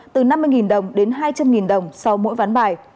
từ năm mươi đồng đến hai trăm linh đồng sau mỗi ván bài